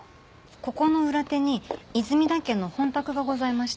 ここの裏手に泉田家の本宅がございまして。